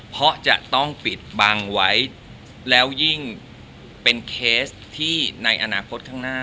เพราะจะต้องปิดบังไว้แล้วยิ่งเป็นเคสที่ในอนาคตข้างหน้า